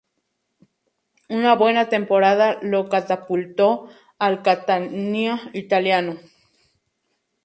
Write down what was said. Una buena temporada lo catapultó al Catania italiano.